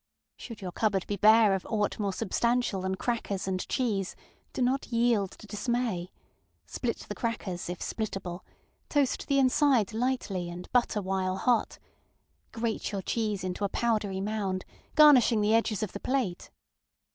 Should your cupboard be bare of aught more substantial than crackers and cheese, do not yield to dismay; split the crackers (if splittable), toast the inside lightly, and butter while hot. Grate your cheese into a powdery mound, garnishing the edges of the plate.